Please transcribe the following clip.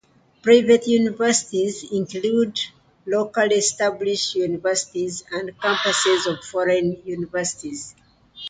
Private universities include locally established universities and campuses of foreign universities.